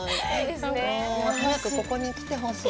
早くここに来てほしい。